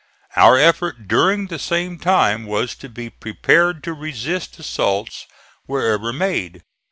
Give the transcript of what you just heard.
Our effort during the same time was to be prepared to resist assaults wherever made.